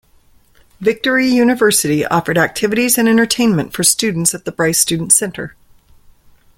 Victory University offered activities and entertainment for students at the Bryce Student Center.